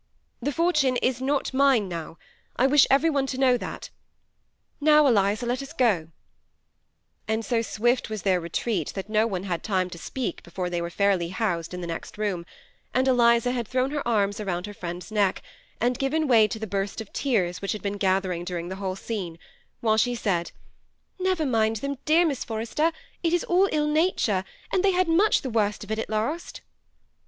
The fortune is not mine now, — I wish every one to know that Now, Eliza, let us go ;" and so swift was their retreat, that no one had time to speak, before they were fairly housed in the next room, and Eliza had thrown her arms round her friend's neck, and given way to the burst of tears which had been gather ing during the whole scene, while she said, " Never mind them, dear Miss Forrester; it is att ill nature, and they had much the worst of it at last" THE SEMI ATTACHED COUPLE.